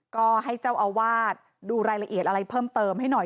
ก็ให้เจ้าอาวาสดูรายละเอียดอะไรเพิ่มเติมให้หน่อย